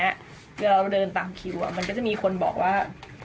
คือเราเดินตามคิวมันก็จะมีคนบอกว่า